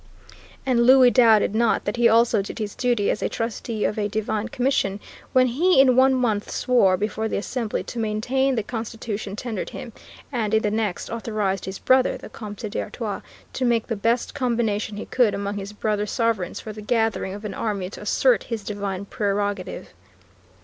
And Louis doubted not that he also did his duty as a trustee of a divine commission when he in one month swore, before the Assembly, to maintain the constitution tendered him, and in the next authorized his brother, the Comte d'Artois, to make the best combination he could among his brother sovereigns for the gathering of an army to assert his divine prerogative.